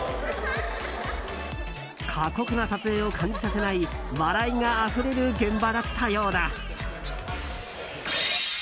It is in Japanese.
過酷な撮影を感じさせない笑いがあふれる現場だったようだ。